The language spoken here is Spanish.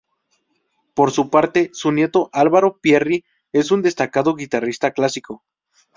Por su parte, su nieto Álvaro Pierri es un destacado guitarrista clásico.